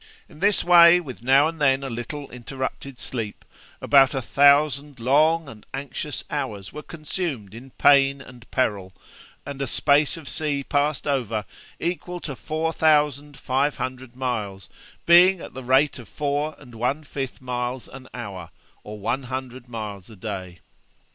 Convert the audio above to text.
In this way, with now and then a little interrupted sleep, about a thousand long and anxious hours were consumed in pain and peril, and a space of sea passed over equal to four thousand five hundred miles, being at the rate of four and one fifth miles an hour, or one hundred miles a day.